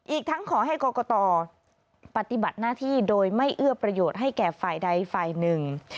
อีกทั้งขอให้กรกตปฏิบัติหน้าที่โดยไม่เอื้อประโยชน์ให้แก่ฝ่ายใดฝ่ายหนึ่ง